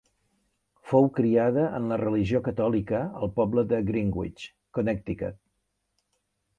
Fou criada en la religió catòlica al poble de Greenwich, Connecticut.